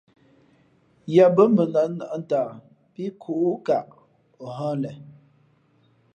Yǎ bᾱ mbα ndᾱʼ nα̌ʼ ntaa pí kǔʼkaʼ ǒ hᾱ len.